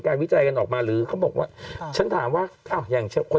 วิจัยกันออกมาหรือเขาบอกว่าฉันถามว่าอ้าวอย่างคน